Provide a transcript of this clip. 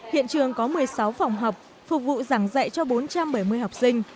hiện trường có một mươi sáu phòng học phục vụ giảng dạy cho bốn trăm bảy mươi học sinh